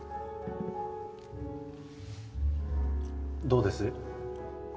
どうです？